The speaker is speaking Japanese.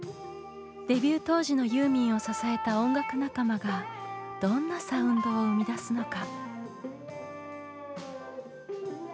デビュー当時のユーミンを支えた音楽仲間がどんなサウンドを生み出すのか？